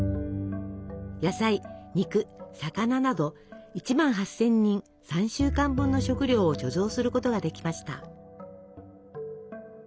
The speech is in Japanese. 野菜肉魚など１万８，０００人３週間分の食料を貯蔵することができました。